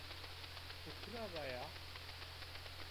Ti kure ra ya?